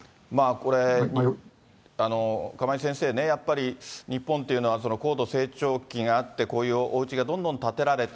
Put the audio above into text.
これ、釜井先生ね、やっぱり日本というのは、高度成長期があって、こういうおうちがどんどん建てられた。